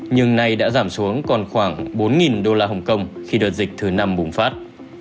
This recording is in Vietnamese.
nhưng nay đã giảm xuống còn khoảng bốn đô la hồng kông khi đợt dịch thứ năm bùng phát